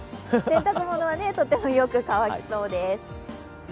洗濯物はとてもよく乾きそうです。